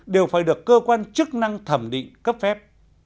đều phải được cơ quan chức năng thẩm định cấp phép